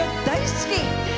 大好き！